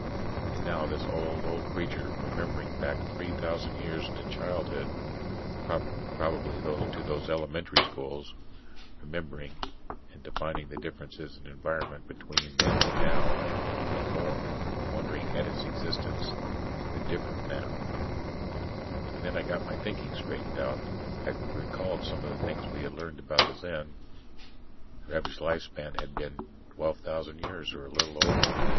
And now this old, old creature, remembering back three thousand years to childhood probably to those "elementary schools" remembering, and defining the differences in environment between then and now; and more, wondering at its existence in the different now And then I got my own thinking straightened out. I recalled some of the things we had learned about the Zen. Their average lifespan had been 12,000 years or a little over.